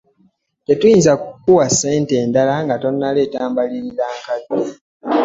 Tetuyinza kukuwa ssente ndala nga tonnaleeta mbalirira nkadde.